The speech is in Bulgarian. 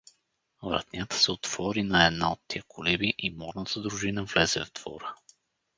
Вратнята се отвори на една от тия колиби и морната дружина влезе в двора.